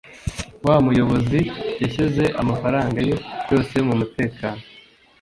Wa muyobizi yashyize amafaranga ye yose mumutekano.